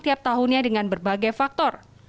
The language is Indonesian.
setiap tahunnya dengan berbagai faktor